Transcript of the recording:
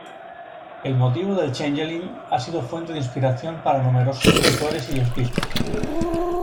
El motivo del "changeling" ha sido fuente de inspiración para numerosos escritores y artistas.